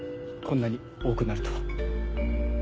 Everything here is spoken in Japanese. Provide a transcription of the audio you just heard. こんなに多くなるとは。